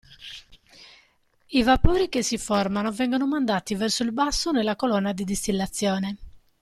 I vapori che si formano vengono mandati verso il basso nella colonna di distillazione.